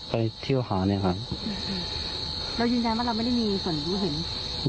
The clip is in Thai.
ไปเที่ยวหาเนี่ยค่ะเรายืนยันว่าเราไม่ได้มีส่วนรู้เห็น